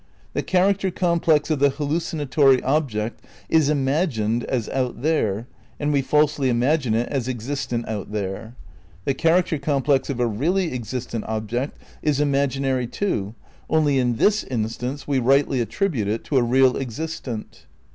The character complex of the hallucinatory object is imagined as out there, and we falsely imagine it as existent out there. The character complex of a really existent object is imag inary too, only in this instance we rightly attribute it to a real existent.